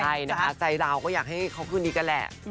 ใช่นะคะใจเราก็อยากให้เขาคืนดีกันแหละ